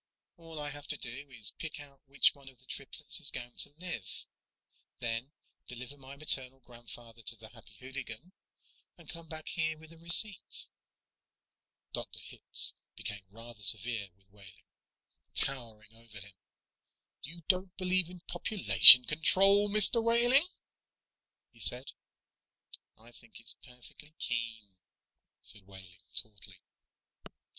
"All I have to do is pick out which one of the triplets is going to live, then deliver my maternal grandfather to the Happy Hooligan, and come back here with a receipt." Dr. Hitz became rather severe with Wehling, towered over him. "You don't believe in population control, Mr. Wehling?" he said. "I think it's perfectly keen," said Wehling tautly.